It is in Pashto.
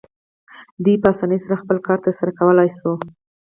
دوی په اسانۍ سره خپل کار ترسره کولی شو.